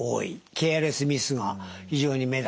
ケアレスミスが非常に目立つ。